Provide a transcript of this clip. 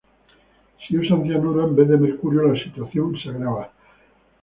Si usan cianuro, en vez de mercurio, la situación se agrava.